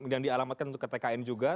yang dialamatkan untuk ke tkn juga